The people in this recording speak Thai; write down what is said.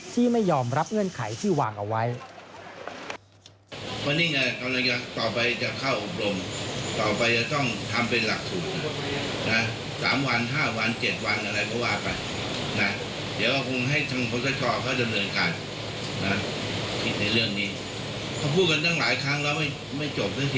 ไม่ยอมรับเงื่อนไขที่วางเอาไว้